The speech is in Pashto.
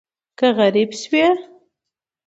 که غریب شوې